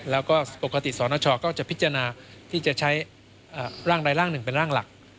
แล้วก็ปกติสนชก็จะพิจารณาที่จะใช้ร่างใดร่างหนึ่งเป็นร่างหลัก